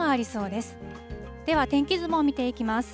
では、天気図も見ていきます。